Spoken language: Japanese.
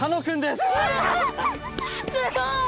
すごい！